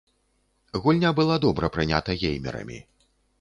Гульня была добра прынята геймерамі.